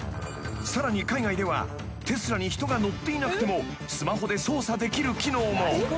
［さらに海外ではテスラに人が乗っていなくてもスマホで操作できる機能も］